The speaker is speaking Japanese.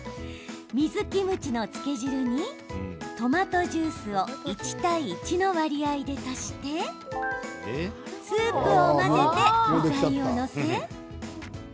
水キムチの漬け汁にトマトジュースを１対１の割合で足してスープを混ぜて具材を載せ